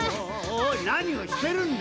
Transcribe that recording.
おいなにをしてるんだ？